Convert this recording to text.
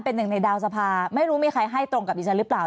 เป็นหนึ่งในดาวสภาไม่รู้มีใครให้ตรงกับดิฉันหรือเปล่า